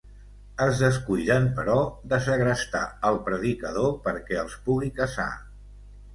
Es descuiden, però, de segrestar el predicador perquè els pugui casar.